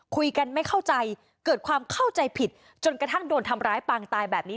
คุยกันไม่เข้าใจเกิดความเข้าใจผิดจนกระทั่งโดนทำร้ายปางตายแบบนี้